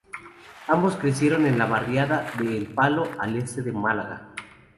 Ambos crecieron en la barriada de El Palo, al este de Málaga.